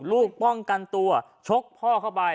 ป้องกันตัวชกพ่อเข้าไป